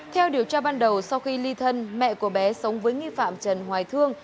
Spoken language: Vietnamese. theo điều tra ban đầu sau khi ly thân mẹ của bé sống với nghi phạm trần hoài thương